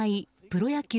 プロ野球